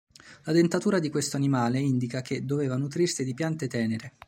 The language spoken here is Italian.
La dentatura di questo animale indica che doveva nutrirsi di piante tenere.